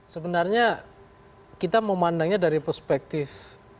sebenarnya kita memandangnya dari perspektif